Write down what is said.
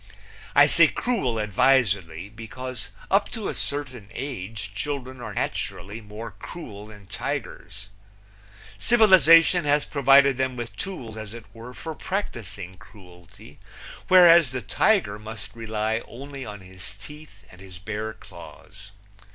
I say cruel advisedly, because up to a certain age children are naturally more cruel than tigers. Civilization has provided them with tools, as it were, for practicing cruelty, whereas the tiger must rely only on his teeth and his bare claws.